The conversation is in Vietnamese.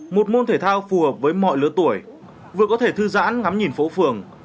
một môn thể thao phù hợp với mọi lứa tuổi vừa có thể thư giãn ngắm nhìn phố phường